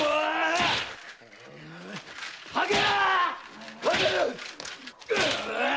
吐け！